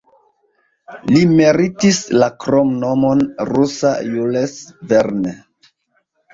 Li meritis la kromnomon "Rusa Jules Verne".